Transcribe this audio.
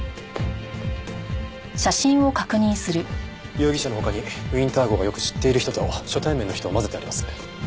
容疑者の他にウィンター号がよく知っている人と初対面の人を交ぜてあります。